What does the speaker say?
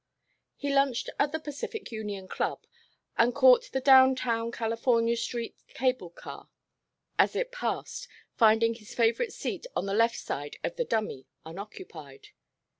He lunched at the Pacific Union Club and caught the down town California Street cable car as it passed, finding his favorite seat on the left side of the "dummy" unoccupied.